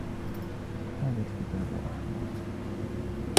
هذا الكتاب أحمر.